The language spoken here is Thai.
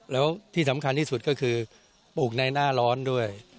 แล้วที่สำคัญที่สุดก็คือปลูกในหน้าร้อนด้วย